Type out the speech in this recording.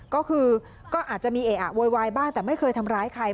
ก็คือก็อาจจะมีเอะอะโวยวายบ้างแต่ไม่เคยทำร้ายใคร